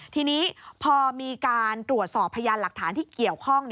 ทีนี้พอมีการตรวจสอบพยานหลักฐานที่เกี่ยวข้อง